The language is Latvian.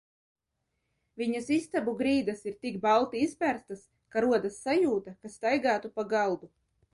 Viņas istabu grīdas ir tik balti izberztas, ka rodas sajūta, ka staigātu pa galdu.